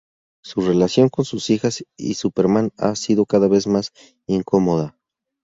Su relación con sus hijas y Superman ha sido cada vez más incomoda.